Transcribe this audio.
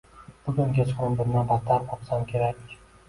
— Bugun kechqurun bundan battar qo‘rqsam kerak...